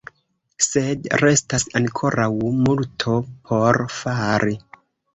Sed restas ankoraŭ multo por fari.